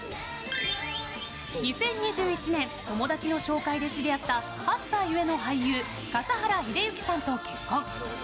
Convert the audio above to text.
２０２１年友達の紹介で知り合った８歳上の俳優笠原秀幸さんと結婚。